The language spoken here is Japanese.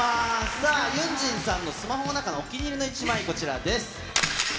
さあ、ユンジンさんのスマホの中のお気に入りの１枚、こちらです。